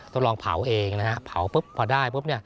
ทดลองเผาเองนะครับเผาพอได้